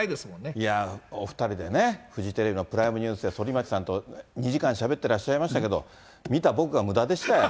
いやぁ、お２人でね、フジテレビのプライムニュースでそりまちさんと２時間、しゃべってらっしゃいましたけど、見た僕がむだでしたよ。